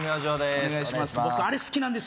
お願いします